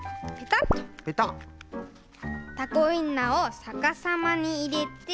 タコウインナーをさかさまにいれて。